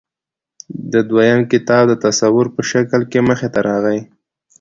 د دوي دويم کتاب د تصوير پۀ شکل کښې مخې ته راغے